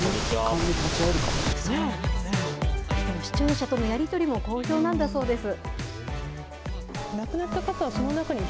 視聴者とのやり取りも好評なんだそうです。